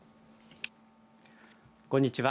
こんにちは。